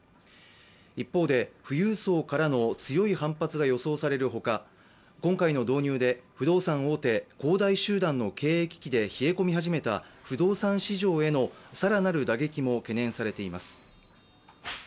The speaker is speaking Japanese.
一方で富裕層からの強い反発が予想される他、今回の導入で不動産大手、恒大集団の経営危機で冷え込み始めた不動産市場への更なる打撃も懸念されています。